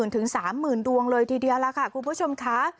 ๒๐๐๐๐ถึง๓๐๐๐๐ดวงเลยทีเดียวแล้วค่ะคุณผู้ชมค่ะ